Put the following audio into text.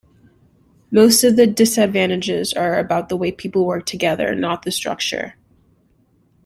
Most of the disadvantages are about the way people work together, not the structure.